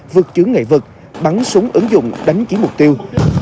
vượt chứa nghệ vật bắn súng ứng dụng đánh chỉ mục tiêu